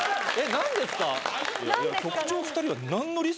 何ですか？